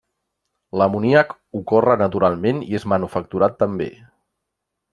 L'amoníac ocorre naturalment i és manufacturat també.